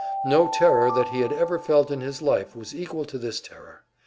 No terror that he had ever felt in his life was equal to this terror.